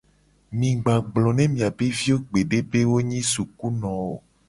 Mi gba no gblona miabe viwo gbede be wo nyi sukuno o.